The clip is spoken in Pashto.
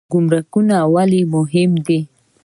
ګمرکونه ولې مهم دي؟